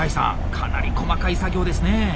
かなり細かい作業ですねえ。